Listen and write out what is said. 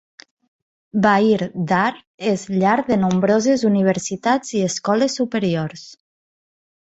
Bahir Dar és llar de nombroses universitats i escoles superiors.